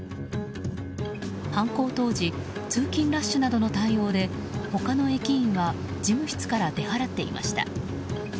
犯行当時通勤ラッシュなどの対応で他の駅員は事務室から出払っていました。